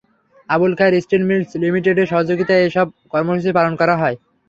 Abul Khair steel mills লিমিটেডের সহযোগিতায় এসব কর্মসূচি পালন করা হয়।